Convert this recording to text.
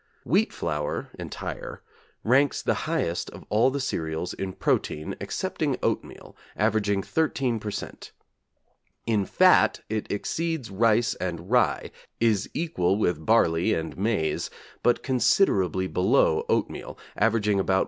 Wheat flour (entire), ranks the highest of all the cereals in protein, excepting oatmeal, averaging 13 per cent. In fat it exceeds rice and rye, is equal with barley and maize, but considerably below oatmeal: averaging about 1.